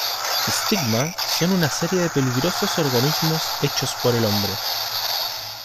Stigma son una serie de peligrosos organismos hechos por el hombre.